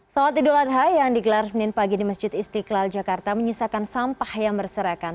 sholat idul adha yang digelar senin pagi di masjid istiqlal jakarta menyisakan sampah yang berserakan